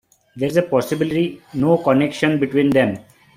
There is possibly no connexion between them.